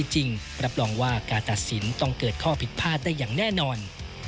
จริงรับรองว่าการตัดสินต้องเกิดข้อผิดพลาดได้อย่างแน่นอน